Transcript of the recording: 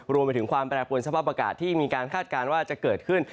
รวมไปถึงความแปรปวนสภาพอากาศที่มีการคาดการณ์ว่าจะเกิดขึ้น